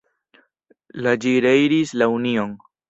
La ĝi reiris la Union.